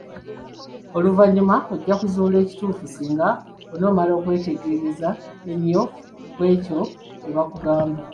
Oluvannyuma ojja kuzuula ekituufu singa onoomala okwetegereza ennyo ku ekyo kye bakugamba.